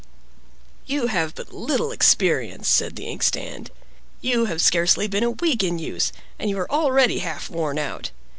"You have but little experience," said the ink stand. "You have scarcely been a week in use, and you are already half worn out.